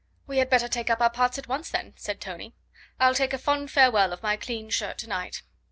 "We had better take up our parts at once then," said Tony. "I'll take a fond farewell of my clean shirt to night."